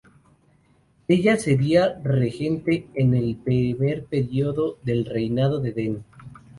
Así ella sería regente en el primer período del reinado de Den.